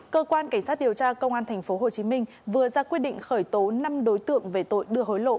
cơ quan cảnh sát điều tra công an tp hcm vừa ra quyết định khởi tố năm đối tượng về tội đưa hối lộ